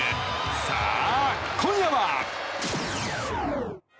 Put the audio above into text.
さあ、今夜は。